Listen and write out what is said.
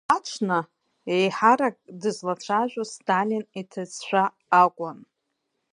Уи аҽны еиҳарак дызлацәажәоз Сталин иҭыӡшәа акәын.